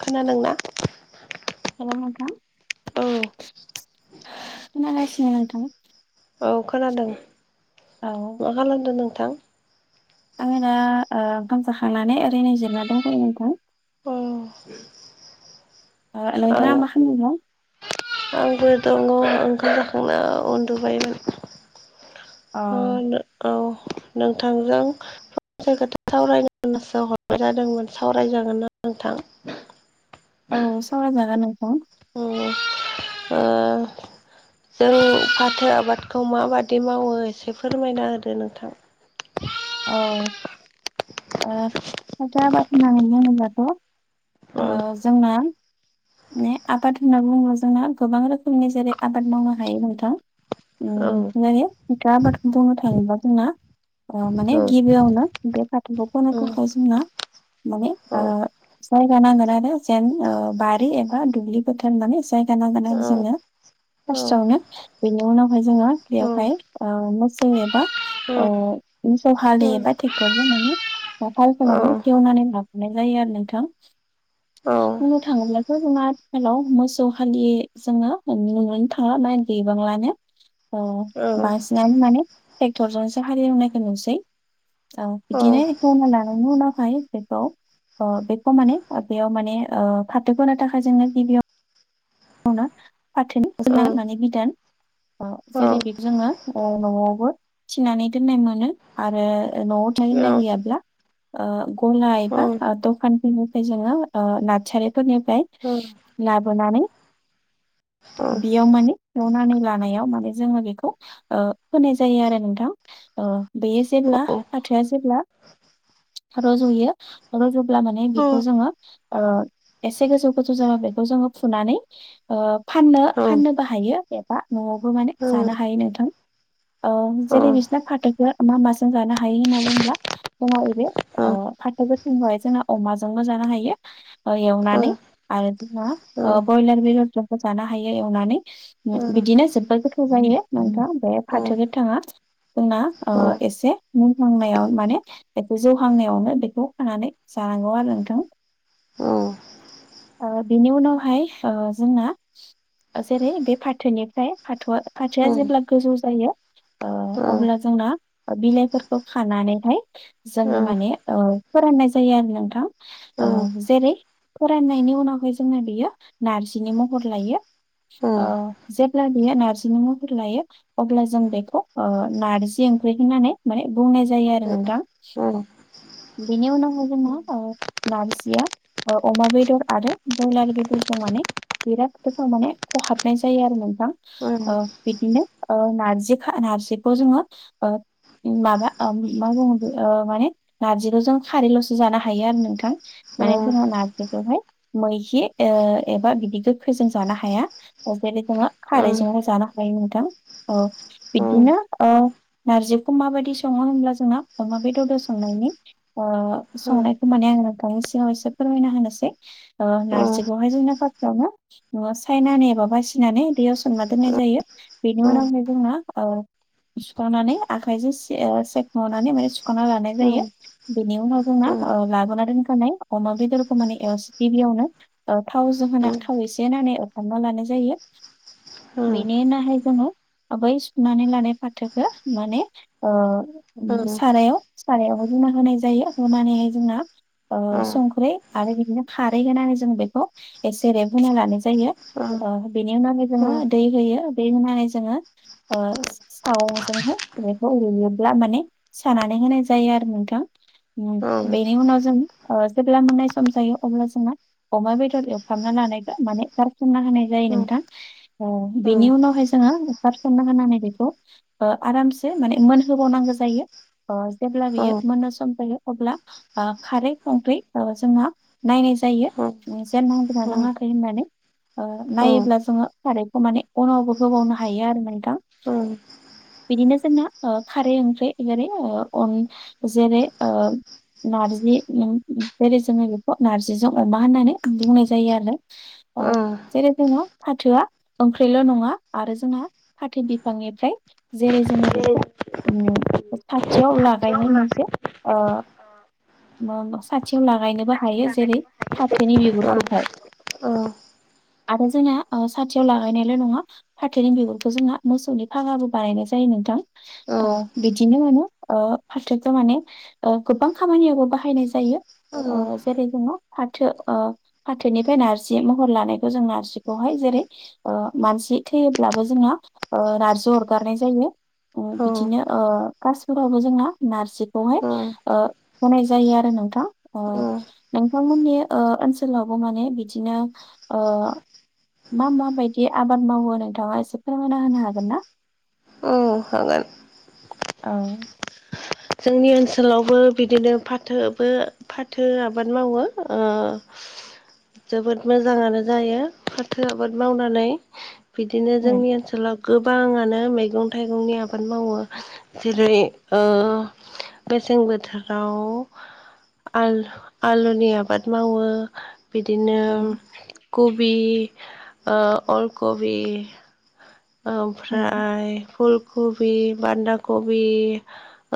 खोनादोंना हेल' नोंथां औ खोनागासिनो नोंथां औ खोनादों औ मा खालामदों नोंथां आंङो दा ओ ओंखाम जाखांनानै ओरैनो जिरायना दंफैयो नोंथां औ नोंथांङा आं मा खालामबाय दं आंबो दङ ओंखाम जाखांना औ उन्दुबायमोन औ नोंथांजों खोथा सावरायसो हरनाय जादोंमोन सावरायजागोन ना नोंथां औ सावरायजागोन नोंथां [unintelligible] जों फाथो आबादखौ माबादि मावो एसे फोरमायना होदो नोंथां औ ओ फाथो आबाद होननानै बुङोब्लाथ' औ ओ जोंना माने आबाद होनना बुङोब्ला जोंना गोबां रोखोमनि जेरै आबाद मावनो हायो नोंथां औ बियो फाथो आबादखौ बुंनो थाङोबा जोंना औ माने गिबियावनो बे फाथोखौ फोनों उम थाखाय जोंना माने औ जायगा नांगोन आरो जेन बारि एबा दुब्लि बोथोर होननानै जायगा नांगोन औ आरो जोंनो औ फार्स्टआवनो बेनि उनावहाय जोङो औ बेयावहाय मोसौ एबा ओ मोसौ हालि एबा औ ट्रेक्टरजों एवनानै लाग्रोनाय जायो आरो नोंथां [inaudible] बुंनो थाङोब्लाथ' जोंङो आथिखालाव मोसौ हालि जोंङो नुनो थांला गोबांआनो बांसिनानो माने ट्रेक्टर जोंसो हाल एवनायखौ नुसै बिदिनो एवना लानायनि उनावहाय बेखौ खमानै बेयाव माने फाथो फोनो थाखाय जोङो गिबियाव फाथो औ माने बिदान औ जेरै बेक जोङो न'आवबो थिनानै दोननाय मोनो आरो न'आव [unintelligible] गला एबा दखानफोरनिफ्राय जोङो नारसारिफोरनिफ्राय लाबोनानै [inaudible] बेयाव माने एवनानै लानायाव माने जोङो बेखौ फोनाय जायो आरो नोंथां ओ बेयो जेब्ला फाथोआ जेब्ला रज'यो रज'ब्ला माने बेखौ जोङो एसे गोजौ गोजौ जाबा बेखौ जोङो फुनानै फाननो फाननोबो हायो एबा न'आवबो माने जानो हायो नोंथां जेरै बिसना फाथोखौ मा माजों जानो हायो होनना बुंङोब्ला जोंहा बे फाथो गोथांबाय जोंना अमाजोंबो जानो हायो एवनानै आरो जोंना ब्रयलार बेदरफोरखौ जानो हायो एवनानै बिदिनो जोबोद गोथाव जायो ना फाथो गोथाङा जोंना एसे मुंनहांनायाव माने एसे जौहांनायावनो बेखौ खानानै जानांगौ आरो नोंथां औ ओ बिनि उनावहाय जोंना जेरै बे फाथोनिफ्राय फाथोआ फाथोआ जेब्ला गोजौ जायो अब्ला जोंना बिलाइफोरखौ खानानैहाय जोङो माने फोराननाय जायो आरो नोंथां जेरै फोराननायनि उनावहाय जोंना बियो नारजिनि महर लायो अ जेब्ला बेयो नारजिनि महर लायो अब्ला जों बेखौ अ नारजि ओंख्रै होननानै माने बुंनाय जायो आरो नोंथां बेनि उनावहाय जोंहा ओ नारजिया अ अमा बेदर आरो बयलार बेदर नङाने बिराद गोथाव माने खहाबनाय जायो आरो नोंथां ओ बिदिनो ओ नारजि खाना हारसेबखौ जोङो ओ माबा अ मा बुङ बे ओ माने नारजिखौ जों खारैल'सो जानो हायो आरो नोंथां माने जोङो नारजिखौहाय मैखि ओ एबा बिदि गोखैजों जानो हाया ओ जेरै जोङो खारैजोंल' जानो हायो नोंथां औ बिदिनो औ ओ नारजिखौ माबायदि सङो होनब्ला जोंना अमा बेदरदो संनाय नि ओ संनायखौ माने आं नोंथांनि सिगाव एसे फोरमायना होनोसै ओ नार्जिखौहाय जोंना फास्टावनो न'वाव सायनानै एबा बासिनानै दैयाव सोमना दोननाय जायो बेनि उनावहाय जोंङा औ सुखांनानै आखायजों सेव सेख'नानै माने सुखांना लानाय जायो बेनि उनाव जोंना ओ लाबोना दोनखानाय अमा बेदरखौ माने एवस गिबियावनो ओ थाव जोंहाना थाव एसे होननानै एवफामना लानाय जायो बेनिनाहाय जोङो ओ बै सुनानै लानाय फाथोखो माने ओ ओम सारायाव कारायावबो लुना होनाय जायो होनानै जोंना ओ संख्रै आरो बिदिनो खारै होनानै जों जों बेखौ एसे रेब होना लानाय जायो अ बिनि होननानै जोङो दै होयो बे होनानै जोङो ओ सावजोंहाय बेखौ रुयोब्ला माने सानानै होनाय जायो आरो नोंथां नु बेनि उनाव जों ओ जेब्ला मोननाय सम जायो अब्ला जोंना अमा बे फोर एवफामना लानाय बा माने गारसोमना होनाय जायो नोंथां ओ बेनि उनावहाय जोङा खोबना होनानै बेखौ ओ आरामसे माने मोनहोबावनांगो जायो। अ जेब्ला बियो मोननो सम जागो अब्ला आ खारै संख्रि ओ जोंहा नायनाय जायो नोंसो जेन नांदोना नाङाखै होननानै ओ नायोब्ला जोङो खारैखौ माने उनावबो होबावनो हायो आरो नोंथां बिदिनो जोंना ओ खारै ओंख्रै जेरै ओ अन जेरै ओ नार्जि नुन बेरै जोङो बेखौ नार्जिजों अमा होननानै बुंनाय जायो आरो औ जेरै जोंङो फाथोआ ओंख्रैल' नङा आरो जोंहा फाथो बिफांनिफ्राय जेरै जोङो बेखौ साथियाव लागायनाय मोनसे ओ म-म साथियाव लागायनोबो हायो जेरै फाथोनि बिगुरखौहाय [inaudible] आरो जोंङा ओ साथियाव लागायनायल' नङा फाथोनि बिगुरखौ जोंङा मोसौनि फागाबो बानायनाय जायोनो नोंथां ओ बिदिनो माने ओ फाथोखो माने ओ गोबां खामानियावबो बाहाय नाय जायो ओ जेरै जोङो फाथो [inaudible] फाथोनिथाय नारजि महर लानायखौ जों नारजिखौहाय जेरै ओ मानसि थैयोब्लाबो जोंङा ओ नारजि अरगारनाय जायो। ओ बिदिनो ओ कासफोरावबो जोंङा नारजिखौहाय औ ओ होनाय जायो आरो नोंथां अ नोंथांमोननि ओ ओनसोलावबो माने बिदिनो ओ मा मा बायदि आबाद मावो नोंथाङा एसे फोरमायना होनो हागोन ना ओ हागोन औ जोंनि ओनसोलावबो बिदिनो फाथोबो फाथो आबाद मावो ओ जोबोद मोजाङानो जायो फाथो आबाद मावनानै बिदिनो जोंनि ओनसोलाव गोबाङानो मैगं थाइगंनि आबाद मावो जेरै ओ मेसें बोथोराव आल-आलुनि आबाद मावो बिदिनो औ खुबि ओ अलकबि औ ओमफ्राय फुलकबि बान्दाकबि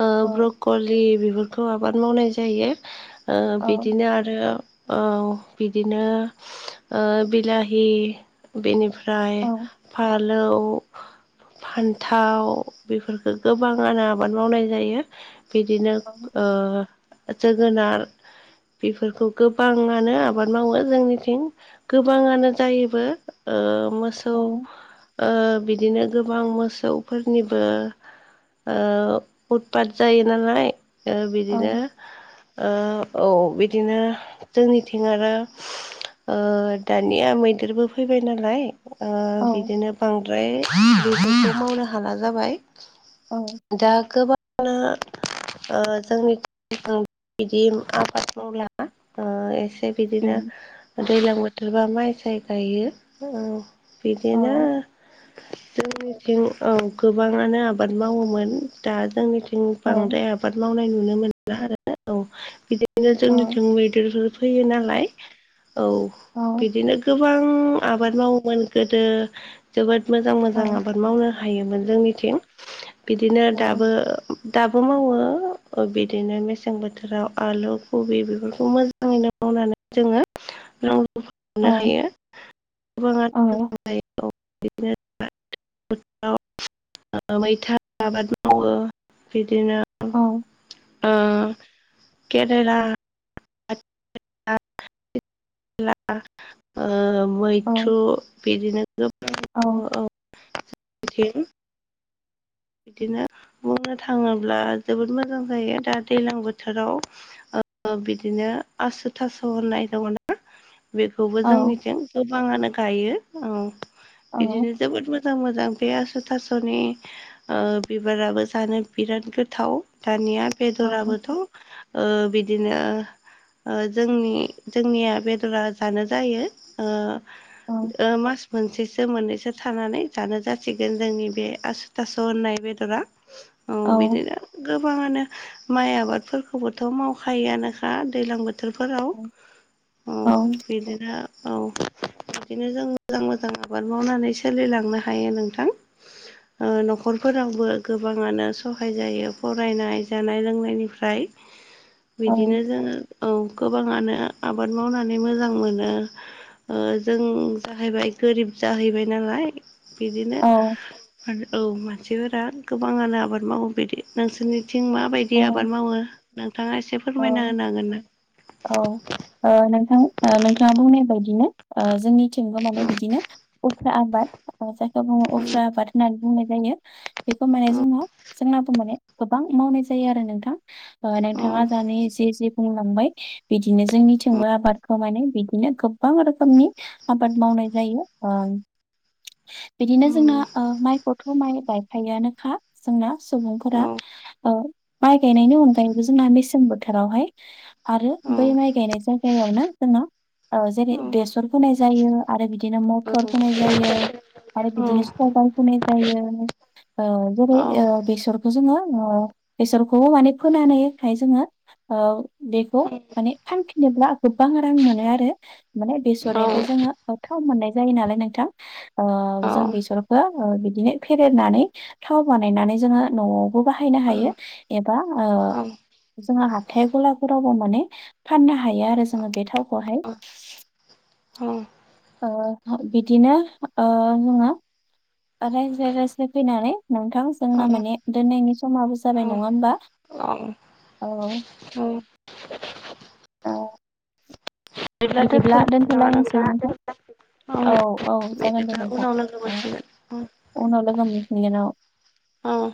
ओ ब्रक'लि बेफोरखौ आबाद मावनाय जायो बिदिनो आरो औ बिदिनो ओ बिलाहि बेनिफ्राय बेनिफ्राय फालौ फान्थाव बेफोरफोरखौ गोबां आानो आबाद मावनाय जायो बिदिनो ओ जोगोनार बेफोरखौ गोबाङानो आबाद मावो जोंनिथिं गोबाङानो जायोबो ओ मोसौ ओ बिदिनो गोबां मोसौफोरनिबो ओ उदपात जायो नालाय बिदिनो ओ औ बिदिनो जोंनिथिं आरो ओ दानिया मैदेरबो फैबायनालाय ओ बिदिनो बांद्राय बेफोरखौ मावनो हाला जाबाय दा गोबाङानो ओ जोंनि [unintelligible] आबाद मावला ओ एसे बिदिनो दैलां बोथोरबा माइ साय गायो ओ बिदिनो जोंनिथिं औ गोबाङानो आबाद मावोमोन दा जोंनिथिं जोंनिथिं बांद्राय आबाद मावनाय नुनो मोनला आरो औ बिदिनो जोंनिथिं मैदेरफोर फैयो नालाय औ बिदिनो गो बां आबाद मावोमोन गोदो जोबोद मोजां मोजां आबाद मावनो हायोमोन जोंनि थिं बिदिनो दाबो दाब बो मावो बिदिनो मेसें बोथोराव आलु कबि बेफोरखौ मोजाङै मावनानै जोङो रां नो हायो गोबाङानो मोजां जायो औ बिदिनो गोजां बोथोराव मैथा आबाद मावो बिदिनो ओ केरेला आ [unintelligible] मैथ्रु बिदिनो गोबां [unintelligible] बिदिनो बुंनो थाङोब्ला जोबोद मोजां जायो दा दैलां बोथोराव ओ ओ बिदिनो आसु थास' होननाय दङना बेखौबो जोंनिथिं गोबाङानो गायो बिदिनो जोबोद मोजां मोजां बे आस' थास'नि बिबाराबो जानो बिराद गोथाव दानिया बेदराबोथ' ओ बिदिनो ओ जोंनि जोंनिया बेदरा जानो जायो ओ ओ मास मोनसेसो मोननैसो थानानै जानो जासिगोन जोंनि बे आसु थास' स' होननाय बेदरा औ बिदिनो गो गोबाङानो माइ आबादफोरखौबोथ' मावखायोआनोखा दैज्लां बोथोराव बोथोरफोराव ओ बिदिनो औ बिदिनो जों मोजां मोजां आबाद मावनानै सोलिलांनो हायो नोंथां ओ नखराव नखरफोरावबो गोबाङानो सहाय जायो फरायनाय जानाय लोंनायनिफ्राय बिदिनो जोङो औ गोबाङानो आबाद मावनानै मोजां मोनो ओ जों जाहैबाय गोरिब जाहैबाय नालाय बिदिनो औ माने मानसिफोरा गोबाङानो आबाद मावो बिदि नोंसोरनिथिं माबायदि आबाद मावो ना नोंथाङा एसे औ फोरमायना होनो हागोन औ औ नों थाङा नोंथाङा बुंनाय बायदिनो ओ जोंनि थिंबो माने बिदिनो उफ्रा आबाद जायखौ बुङो उफ्रा आबाद होननानै बुंनाय जायो बेखौ माने जोंनो माने गोबां मावनाय जायो आरो नोंथां औ नोंथाङा दानि जे जे बुंलांबाय बिदिनो जोंनिथिंबो आबादखौ माने बिदिनो गोबां रोखोमनि आबाद मावनाय जायो ओ बिदिनो औ जोंनि माइखौथ माइ गायफायोआनोखा जोंना सुबुंफोरा औ ओ माइ गायनायनि अनगायैबो जोंना बेसे जां बोथोरावहाय आरो बै माइ गायनाय जायगायावनो जोंना ओ जेरै बेसर फोनाय जायो आरो बिदिनो मटर फोनाय जायो। आरो औ औ बिदिनो साल फुनाय जायो ओ जेरै औ ओ बेसरखौ जोङो बेसरखौ माने फोनानैखाय जोङो ओ बेखौ बिदिब्ला माने फानफिनोब्ला गोबां रां मोनो आरो माने बेसरनि बेजोंनो औथौ मोननाय जायो नालाय नोंथां जों बेसखौ बिदिनो फेरनानै थाव बानायनानै जोङो नआवबो बाहायनो हायो एबा जोङो हाथाय गलाफोरुरावबो माने फाननो हायो आरो जोङो बे थावखौहाय औ ओ बिदिनो ओ जोङो रायज्लाय रायज्लाय फैनानै नोंथां जोंना माने दोननायनि समाबो जाबाय नङा होमबा औ औ औ औ बिदिब्ला दोनथलायसै नोंथां औ औ जागोन दे बिदिब्ला नोंथां उनाव लोगो औ मोनसिगोन उनाव लोगो मोनफिनगोन औ औ